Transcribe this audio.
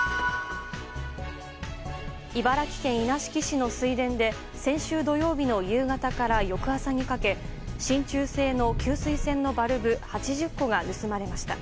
茨城県稲敷市の水田で先週土曜日の夕方から翌朝にかけ真ちゅう製の給水栓のバルブ８０個が盗まれました。